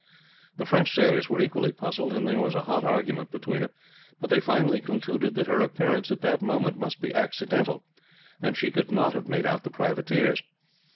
The French sailors were equally puzzled, and there was a hot argument between them; but they finally concluded that her appearance at that moment must be accidental, and she could not have made out the privateers.